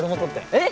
えっ！？